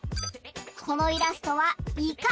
このイラストは「いか」。